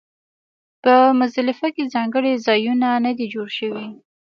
په مزدلفه کې ځانګړي ځایونه نه دي جوړ شوي.